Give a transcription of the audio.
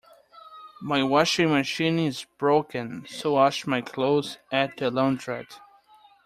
My washing machine is broken, so I'll wash my clothes at the launderette